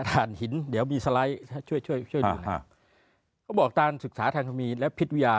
ถ่านหินเดี๋ยวมีสไลด์ช่วยดูนะเขาบอกตามศึกษาธรรมีและภิตวิยา